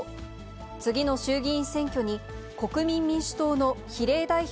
次の衆議院選挙に、国民民主党の比例代表